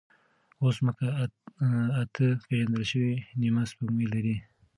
اوس ځمکه اته پېژندل شوې نیمه سپوږمۍ لري.